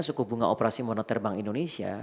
suku bunga operasi moneter bank indonesia